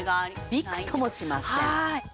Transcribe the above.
びくともしません。